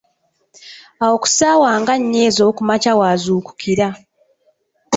Awo ku ssaawa nga nnya ez’okumakya w’azuukukira.